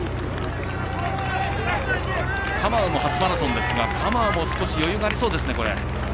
カマウも初マラソンですがカマウも少し余裕がありそうですね。